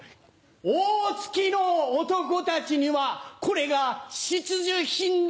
大月の男たちにはこれが必需品だ。